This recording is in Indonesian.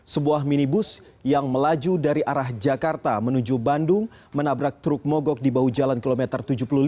sebuah minibus yang melaju dari arah jakarta menuju bandung menabrak truk mogok di bahu jalan kilometer tujuh puluh lima